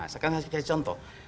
sekarang kasih contoh